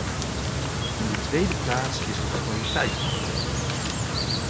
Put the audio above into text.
In de tweede plaats is er de kwaliteit van de hulp.